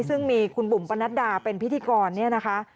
ซึ่งมีคุณบุ๋มปนัดดาเป็นพิธีกรเนี่ยนะคะ